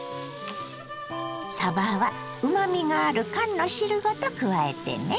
さばはうまみがある缶の汁ごと加えてね。